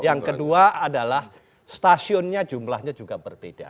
yang kedua adalah stasiunnya jumlahnya juga berbeda